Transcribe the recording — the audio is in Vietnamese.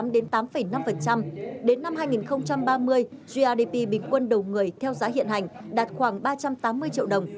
đến năm hai nghìn ba mươi grdp bình quân đầu người theo giá hiện hành đạt khoảng ba trăm tám mươi triệu đồng